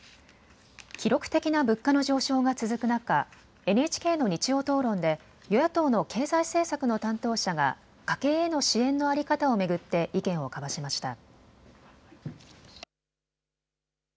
記録的な物価の上昇が続く中、ＮＨＫの日曜討論で与野党の経済政策の担当者が家計への支援の在り方を巡って意見を交わしました。